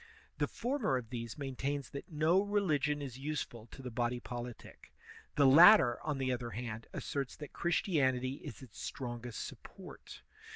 Th^ former of these maintains that no religion is useful to the body politic; the latter, on the other hand, asserts that Christianity is its strongest support.